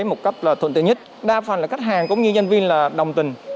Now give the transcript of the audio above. một cấp thuận tiện nhất đa phần là khách hàng cũng như nhân viên là đồng tình